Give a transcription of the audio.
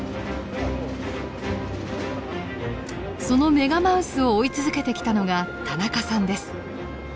そのメガマウスを追い続けてきたのが田中さんです。